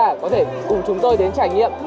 có thể cùng chúng tôi đến trải nghiệm